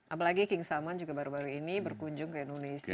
apalagi king salman juga baru baru ini berkunjung ke indonesia